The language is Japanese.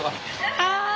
ああ！